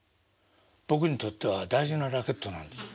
僕にとっては大事なラケットなんですよ。